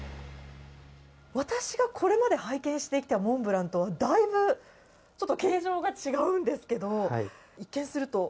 私がこれまで拝見してきたモンブランとはだいぶ形状が違うんですけど一見すると、